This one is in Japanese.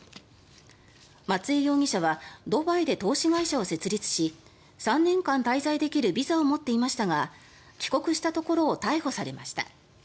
松江容疑者はドバイで投資会社を設立し３年間滞在できるビザを持っていましたが帰国したところを逮捕されました。